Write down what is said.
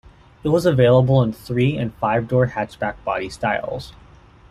It was available in three and five-door hatchback body styles.